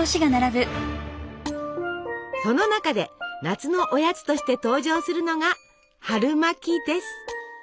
その中で夏のおやつとして登場するのが春巻きです！